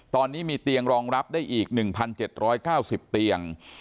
ตอนนี้มีเตียงรองรับได้อีก๑๗๙๐เตียง